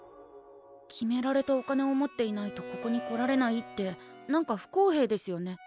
決められたお金を持っていないとここに来られないって何か不公平ですよね。